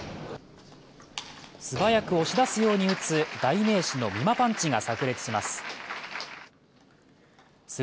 すばやく押し出すように打つ代名詞のみまパンチがさく裂します。